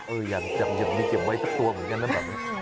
เอออยากจะมีเก็บไว้ทั้งตัวเหมือนกันน่ะแบบนี้